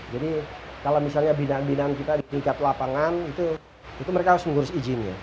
jadi kalau misalnya bidang bidang kita di tingkat lapangan itu mereka harus mengurus izinnya